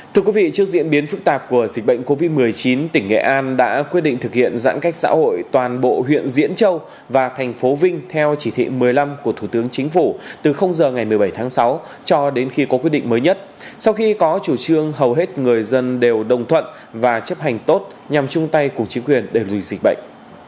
thưa quý vị trước diễn biến phức tạp của dịch bệnh covid một mươi chín tỉnh nghệ an đã quyết định thực hiện giãn cách xã hội toàn bộ huyện diễn châu và thành phố vinh theo chỉ thị một mươi năm của thủ tướng chính phủ từ giờ ngày một mươi bảy tháng sáu cho đến khi có quyết định mới nhất sau khi có chủ trương hầu hết người dân đều đồng thuận và chấp hành tốt nhằm chung tay cùng chính quyền đề lùi dịch bệnh